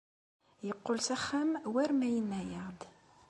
Yeqqel s axxam war ma yenna-aɣ-d.